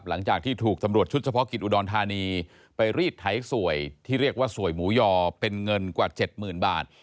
หลังจากที่ถูกตำรวจชุดเฉพาะกิจอุดรธานีไปรีดไถสวยที่เรียกว่าสวยหมูยอเป็นเงินกว่าเจ็ดหมื่นบาท